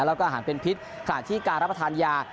แล้วก็อาหารเป็นพิษขณะที่การรับประทานยา